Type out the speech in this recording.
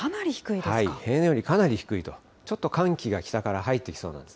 平年よりかなり低いと、ちょっと寒気が北から入ってきそうです。